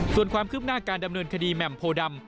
ส่วนความคืบหน้าการดำเนินคดีแหม่มโพดำ